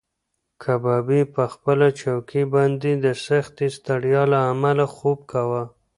کبابي په خپله چوکۍ باندې د سختې ستړیا له امله خوب کاوه.